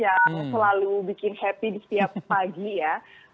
yang selalu bikin happy di setiap pagi ya